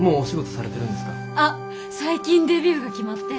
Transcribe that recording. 最近デビューが決まって。